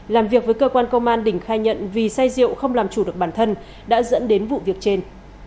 làm việc với cơ quan công an đình khai nhận vì say rượu không làm chủ được bản thân đã dẫn đến vụ việc trên